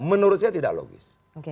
menurut saya tidak logis